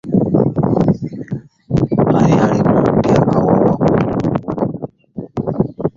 Ani alimumpeea awa wa kubungu .